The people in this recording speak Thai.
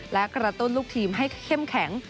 และกระตุ้นลูกทีมให้เข้มแข็ง